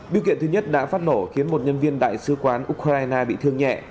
biêu kiện thứ nhất đã phát nổ khiến một nhân viên đại sứ quán ukraine bị thương nhẹ